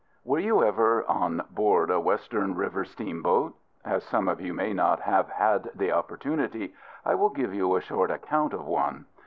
Were you ever on board a Western river steamboat? As some of you may not have had the opportunity, I will give you a short account of one.